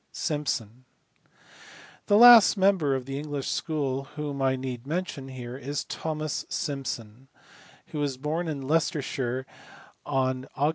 Simpson*. The last member of the English school whom I need mention here is Thomas Simpson, who was born in Leicestershire on Aug.